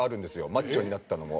マッチョになったのも。